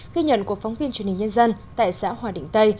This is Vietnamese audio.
ghi nhận của phóng viên truyền hình nhân dân tại xã hòa định tây